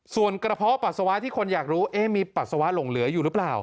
ส่วนกระเพาะปัสสาวะที่คนอยากรู้มีปัสสาวะหลงเหลืออยู่หรือเปล่า